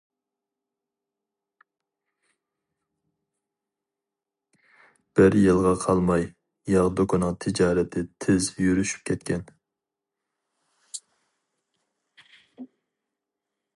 بىر يىلغا قالماي ياغ دۇكىنىنىڭ تىجارىتى تېز يۈرۈشۈپ كەتكەن.